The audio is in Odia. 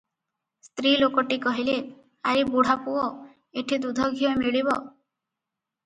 ସ୍ତ୍ରୀ ଲୋକଟି କହିଲେ, "ଆରେ ବୁଢ଼ାପୁଅ, ଏଠି ଦୁଧ ଘିଅ ମିଳିବ?